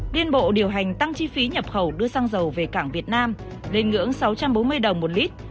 liên bộ điều hành tăng chi phí nhập khẩu đưa xăng dầu về cảng việt nam lên ngưỡng sáu trăm bốn mươi đồng một lít